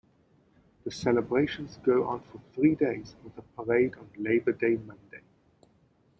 The celebrations go on for three days with a parade on Labour Day Monday.